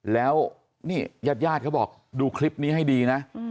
แล้วนี่ญาติญาติเขาบอกดูคลิปนี้ให้ดีนะ